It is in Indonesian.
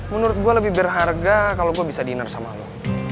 menurut gue lebih berharga kalau gue bisa dinner sama lo